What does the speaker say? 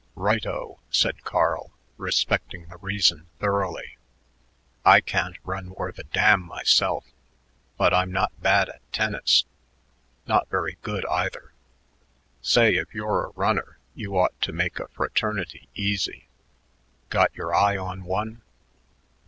"Right o," said Carl, respecting the reason thoroughly. "I can't run worth a damn myself, but I'm not bad at tennis not very good, either. Say, if you're a runner you ought to make a fraternity easy. Got your eye on one?"